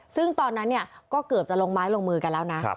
ซึ่งตอนนั้นก็เกือบจะลงไม้ลงมือกันแล้วนะ